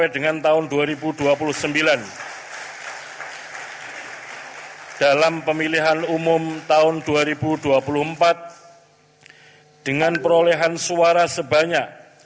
dalam pemilihan umum tahun dua ribu dua puluh empat dengan perolehan suara sebanyak sembilan puluh enam dua ratus empat belas